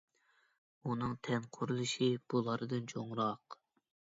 ئۇنىڭ تەن قۇرۇلۇشى بۇلاردىن چوڭراق.